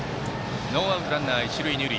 ノーアウトランナー、一塁二塁。